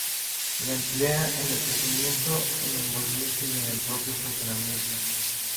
La emplea en el crecimiento, en el movimiento y en el propio funcionamiento.